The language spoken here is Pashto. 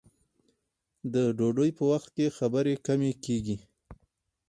د ډوډۍ په وخت کې خبرې کمې کیږي.